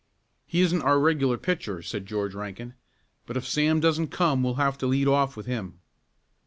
"He isn't our regular pitcher," said George Rankin, "but if Sam doesn't come we'll have to lead off with him."